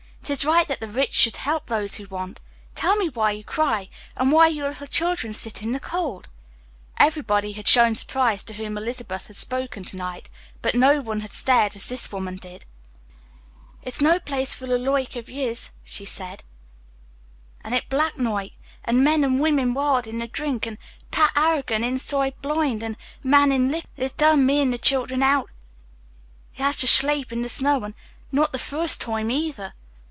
It is right that the rich should help those who want. Tell me why you cry, and why your little children sit in the cold." Everybody had shown surprise to whom Elizabeth had spoken to night, but no one had stared as this woman did. "It's no place for the loike o' yez," she said. "An' it black noight, an' men and women wild in the drink; an' Pat Harrigan insoide bloind an' mad in liquor, an' it's turned me an' the children out he has to shlape in the snow an' not the furst toime either.